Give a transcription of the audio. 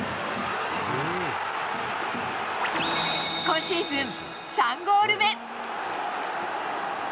今シーズン３ゴール目。